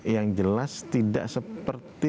yang jelas tidak seperti